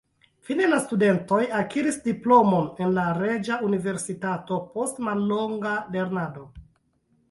Fine la studentoj akiris diplomon en la Reĝa Universitato post mallonga lernado.